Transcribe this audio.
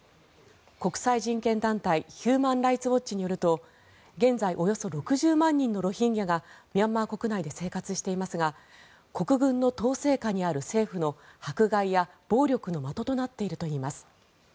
国際人権団体ヒューマン・ライツ・ウォッチによると現在、およそ６０万人のロヒンギャがミャンマー国内で生活していますが国軍の統制下にある政府の迫害や暴力の的となっているといいます。